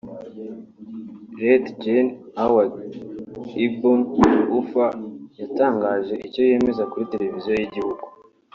Lt Gen Awad Ibn Auf yatangaje icyo cyemezo kuri televiziyo y’igihugu